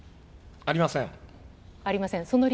ありません？